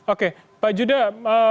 oke pak judah